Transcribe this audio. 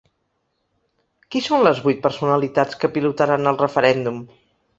Qui són les vuit personalitats que pilotaran el referèndum?